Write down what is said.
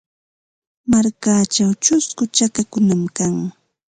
Markachaw chusku chakakunam kan.